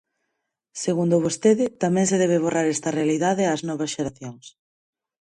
Segundo vostede, tamén se debe borrar esta realidade ás novas xeracións.